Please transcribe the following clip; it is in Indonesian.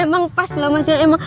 emang pas loh mas ya emang